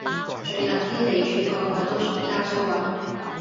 最近啲地主個個都想加租啊